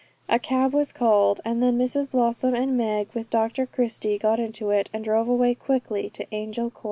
A cab was called, and then Mrs Blossom and Meg, with Dr Christie, got into it, and drove away quickly to Angel Court.